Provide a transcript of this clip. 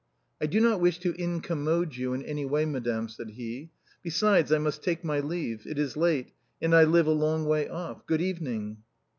" I do not wish to incommode you in any way, madame," said he. " Besides, I must take my leave, it is late and I live a long way off. Good evening."